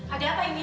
ada apa ini